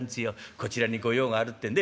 こちらに御用があるってんで。